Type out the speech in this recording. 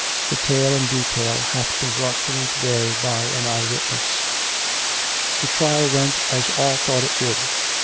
The tale in detail hath been brought to me to day by an eye witness. " The trial went as all thought it would.